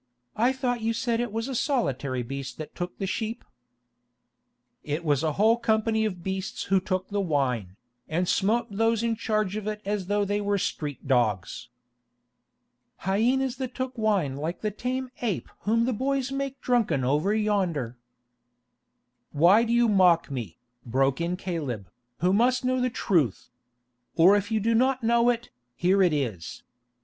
"I thought you said it was a solitary beast that took the sheep." "It was a whole company of beasts who took the wine, and smote those in charge of it as though they were street dogs." "Hyenas that took wine like the tame ape whom the boys make drunken over yonder——" "Why do you mock me," broke in Caleb, "who must know the truth? Or if you do not know it, here it is.